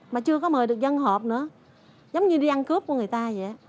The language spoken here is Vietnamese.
mà chưa có mời được dân hợp nữa giống như đi ăn cướp của người ta vậy